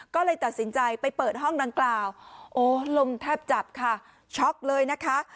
ก็เลยตัดสินใจไปเปิดห้องดังกล่าวโอ้ลมแทบจับค่ะช็อกเลยนะคะ